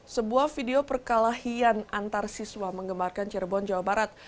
sebuah video perkelahian antarsiswa mengembarkan cirebon jawa barat